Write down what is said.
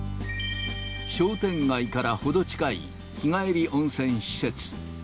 商店街から程近い、日帰り温泉施設。